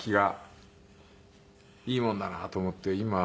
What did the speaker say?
いいもんだなと思って今。